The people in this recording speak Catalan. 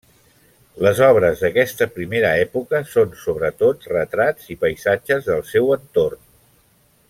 Les obres d'aquesta primera època són sobretot retrats i paisatges del seu entorn.